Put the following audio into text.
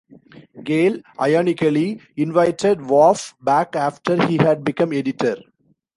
Gale, ironically, invited Waugh back after he had become editor.